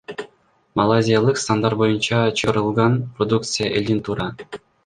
Малайзиялык стандарт боюнча чыгарылган продукция элдин туура